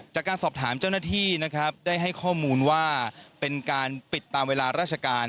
จากการสอบถามเจ้าหน้าที่นะครับได้ให้ข้อมูลว่าเป็นการปิดตามเวลาราชการ